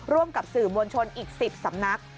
ร่วมกับสื่อมวลชนอีก๑๐สำนัก